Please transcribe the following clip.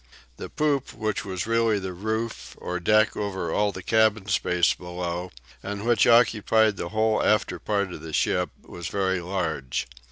The poop, which was really the roof or deck over all the cabin space below, and which occupied the whole after part of the ship, was very large.